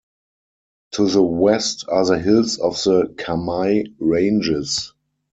To the west are the hills of the Kaimai Ranges.